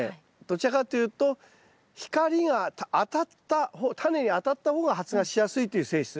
どちらかというと光が当たったタネに当たった方が発芽しやすいという性質。